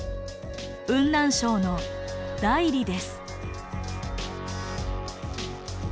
雲南省の大理です。